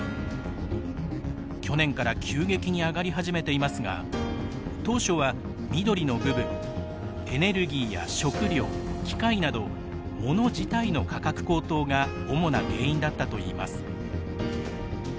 去年から急激に上がり始めていますが当初は緑の部分エネルギーや食料機械などモノ自体の価格高騰が主な原因だったといいます。